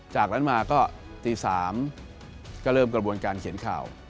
จากนั้นมาก็ตี๓ก็เริ่มกระบวนการเขียนข่าว